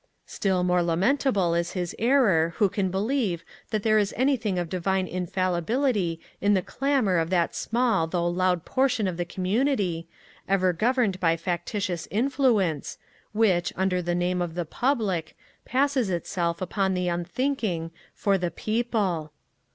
Still more lamentable is his error who can believe that there is anything of divine infallibility in the clamour of that small though loud portion of the community, ever governed by factitious influence, which, under the name of the PUBLIC, passes itself, upon the unthinking, for the PEOPLE.